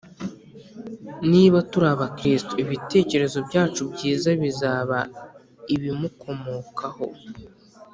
. Niba turi aba Kristo, ibitekerezo byacu byiza bizaba ibimukomokaho